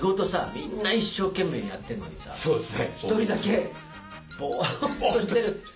みんな一生懸命にやってるのにさ１人だけぼっとしてる。